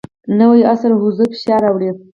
نوی عصر حضور فشار راوړی.